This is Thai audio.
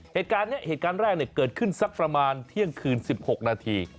เหตุการณ์แรกเกิดขึ้นสักประมาณเที่ยงคืน๑๖นาที